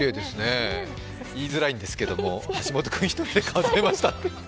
「言いづらいんですけども橋本君１人で数えました」